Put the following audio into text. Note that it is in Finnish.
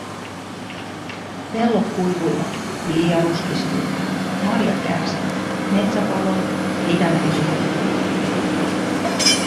Pellot kuivuivat, vilja ruskistui, marjat kärsivät, metsä paloi ja Itämeri vihertyi.